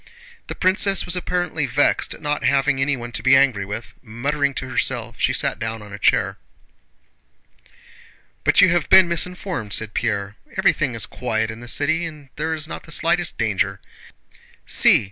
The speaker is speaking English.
The princess was apparently vexed at not having anyone to be angry with. Muttering to herself, she sat down on a chair. "But you have been misinformed," said Pierre. "Everything is quiet in the city and there is not the slightest danger. See!